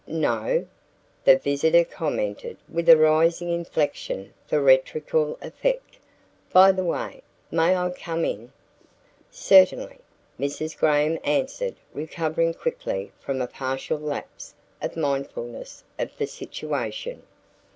"No?" the visitor commented with a rising inflection for rhetorical effect. "By the way, may I come in?" "Certainly," Mrs. Graham answered recovering quickly from a partial lapse of mindfulness of the situation.